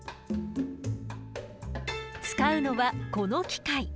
使うのはこの機械。